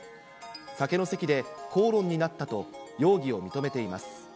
酒の席で口論になったと、容疑を認めています。